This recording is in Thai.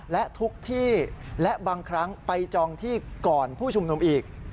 และทุกที่และบางครั้งไปจองที่ก่อนผู้ชุมนุมอีก